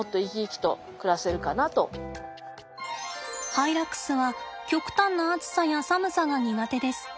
ハイラックスは極端な暑さや寒さが苦手です。